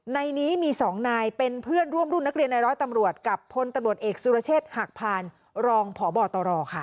ในนี้มี๒นายเป็นเพื่อนร่วมรุ่นนักเรียนในร้อยตำรวจกับพลตำรวจเอกสุรเชษฐ์หักพานรองพบตรค่ะ